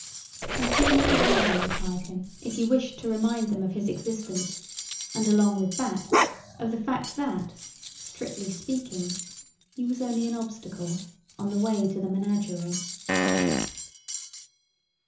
And who knew where they would hide him if he wished to remind them of his existence and, along with that, of the fact that, strictly speaking, he was only an obstacle on the way to the menagerie.